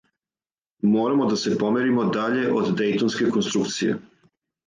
Морамо да се померимо даље од дејтонске конструкције.